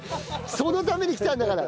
そのために来たんだから。